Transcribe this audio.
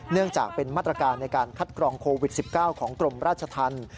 เนื่องจากเป็นมาตรการในการคัดกรองโควิด๑๙ของกรมราชธรรม